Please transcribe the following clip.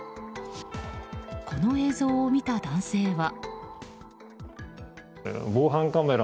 この映像を見た男性は。